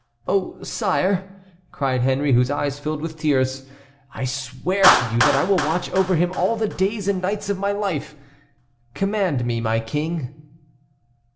"Oh, sire!" cried Henry, whose eyes filled with tears, "I swear to you that I will watch over him all the days and nights of my life. Command me, my King."